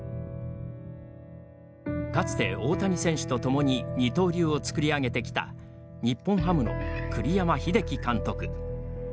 かつて大谷選手と共に二刀流を作り上げてきた日本ハムの栗山英樹監督。